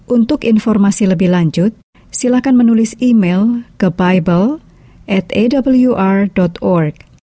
untuk informasi lebih lanjut silahkan menulis email ke bible atawr org